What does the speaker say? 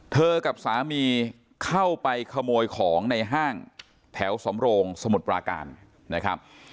กับสามีเข้าไปขโมยของในห้างแถวสำโรงสมุทรปราการนะครับ